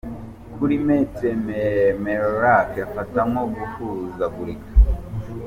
Kuri Maitre Meillarc afata nko guhuzagurika.